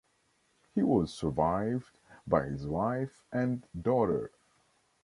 He was survived by his wife and daughter.